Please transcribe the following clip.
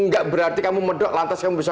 nggak berarti kamu medok lantas kamu bisa